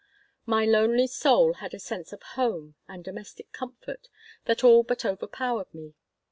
My lonely soul had a sense of home and domestic comfort that all but overpowered me.